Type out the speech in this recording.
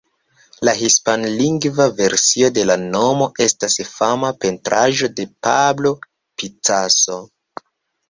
La hispanlingva versio de la nomo estas fama pentraĵo de Pablo Picasso.